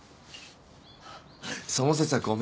その節はごめんね。